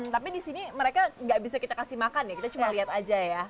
tapi di sini mereka nggak bisa kita kasih makan ya kita cuma lihat aja ya